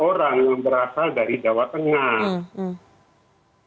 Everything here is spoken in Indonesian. orang yang berasal dari jawa tengah